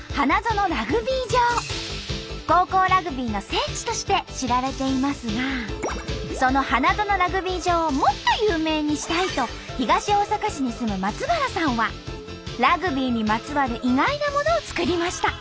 高校ラグビーの聖地として知られていますがその花園ラグビー場をもっと有名にしたいと東大阪市に住む松原さんはラグビーにまつわる意外なものを作りました。